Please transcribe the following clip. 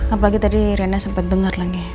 apalagi tadi rena sempat dengar lagi